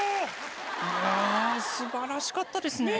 いや素晴らしかったですね。